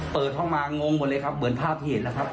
เปิดเข้ามางงหมดเลยครับเหมือนภาพที่เห็นแล้วครับ